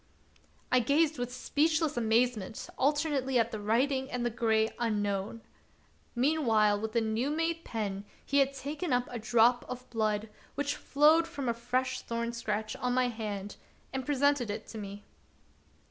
I gazed with speechless amazement alternately at the writing and the gray Unknown. Mean while with a new made pen he had taken up a drop of blood which flowed from a fresh thorn scratch on my hand, and presented it to me.